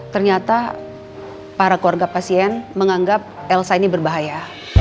ternyata para keluarga pasien menganggap elsa ini berbahaya